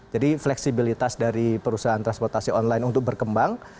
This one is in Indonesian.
jadi fleksibilitas dari perusahaan transportasi online untuk berkembang